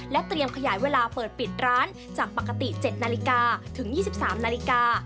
เตรียมขยายเวลาเปิดปิดร้านจากปกติ๗นาฬิกาถึง๒๓นาฬิกา